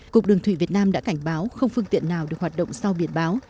cục đường thủy việt nam đã cảnh báo không phương tiện nào được hoạt động sau biển báo